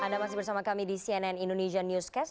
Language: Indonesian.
anda masih bersama kami di cnn indonesia newscast